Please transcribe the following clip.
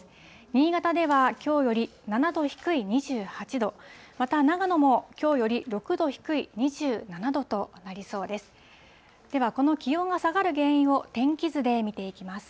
新潟ではきょうより７度低い２８度、また長野もきょうより６度低い２７度となりそうです。